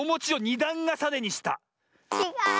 ちがう。